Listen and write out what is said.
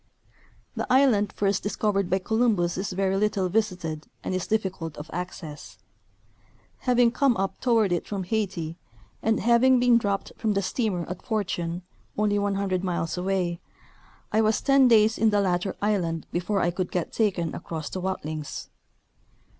The island first discovered by Columbus is very little visited and is difficult of access. Having come up toward it from Haiti, and having been dropped from the steamer at Fortune, only 100 miles away, I was ten clays in the latter island before I could get taken across to Watlings.